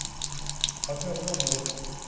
ขอเชิญร่วมลุ้น !